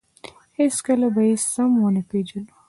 هېڅکله به یې سم ونه پېژنو.